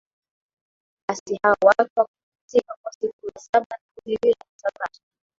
Basi hao watu wakapumzika kwa siku ya saba na kuendelea na sabato